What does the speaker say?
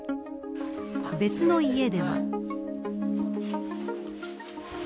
別の家では。